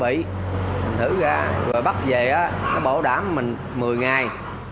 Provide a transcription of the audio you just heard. mình thử ra rồi bắt về nó bảo đảm mình một mươi ngày